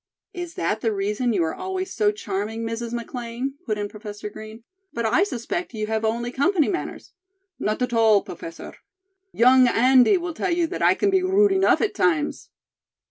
"Is that the reason you are always so charming, Mrs. McLean?" put in Professor Green. "But I suspect you have only company manners." "Not at all, Professor; young Andy will tell you that I can be rude enough at times."